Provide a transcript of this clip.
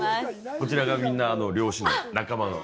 こちらがみんな漁師の仲間の。